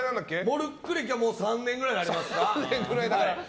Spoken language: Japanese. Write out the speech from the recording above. モルック歴は３年くらいになりますか。